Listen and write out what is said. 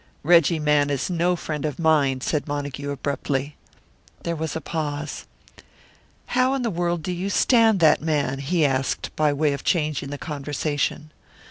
"Reggie Mann is no friend of mine," said Montague, abruptly. There was a pause. "How in the world do you stand that man?" he asked, by way of changing the conversation.